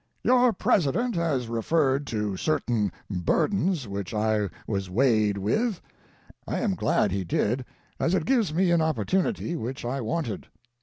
] "Your president has referred to certain burdens which I was weighted with. I am glad he did, as it gives me an opportunity which I wanted.